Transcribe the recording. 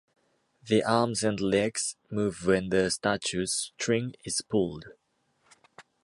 The arms and legs move when the statue's string is pulled.